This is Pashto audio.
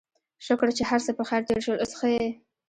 شکر چې هرڅه پخير تېر شول، اوس ښه يې؟